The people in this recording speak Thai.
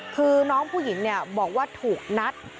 คือน้องผู้หญิงเนี่ยบอกว่าถูกนัด